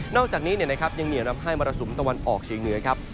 อกจากนี้ยังเหนียวนำให้มรสุมตะวันออกเฉียงเหนือครับ